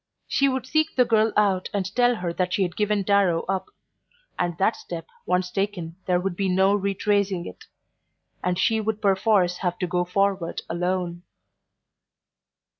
She would seek the girl out and tell her that she had given Darrow up; and that step once taken there would be no retracing it, and she would perforce have to go forward alone.